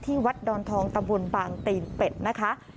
ที่วัดดอนทองตำบลปางตีนเป็ดนะคะ